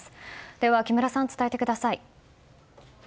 では木村さん、伝えてください。